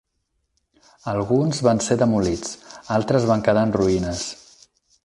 Alguns va ser demolits, altres van quedar en ruïnes.